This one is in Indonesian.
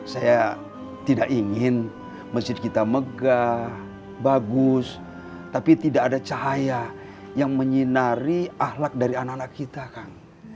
saya tidak ingin masjid kita megah bagus tapi tidak ada cahaya yang menyinari ahlak dari anak anak kita kang